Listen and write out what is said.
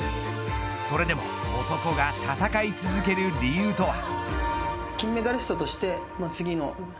それでも男が戦い続ける理由とは。